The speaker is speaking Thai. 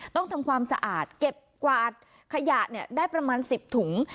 ต้องทำความสะอาดเก็บกวาดขยะได้ประมาณ๑๐ถุง